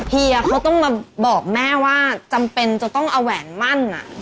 เฮียเขาต้องมาบอกแม่ว่าจำเป็นจะต้องเอาแหวนมั่น